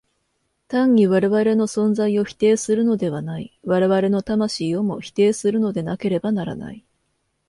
単に我々の存在を否定するのではない、我々の魂をも否定するのでなければならない。